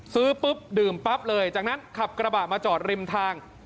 ซื้อปุ๊บดื่มปั๊บเลยจากนั้นขับกระบะมาจอดริมทาง